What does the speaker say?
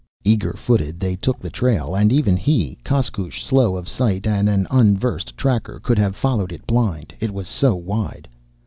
Eager footed, they took the trail, and even he, Koskoosh, slow of sight and an unversed tracker, could have followed it blind, it was so wide.